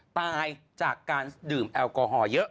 ตายจากการดื่มแอลกอฮอล์เยอะ